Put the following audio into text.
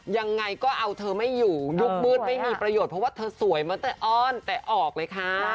ยังไงก็เอาเธอไม่อยู่ยุคมืดไม่มีประโยชน์เพราะว่าเธอสวยมาแต่อ้อนแต่ออกเลยค่ะ